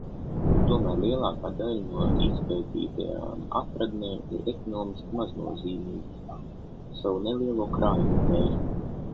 Tomēr lielākā daļa no izpētītajām atradnēm ir ekonomiski maznozīmīgas savu nelielo krājumu dēļ.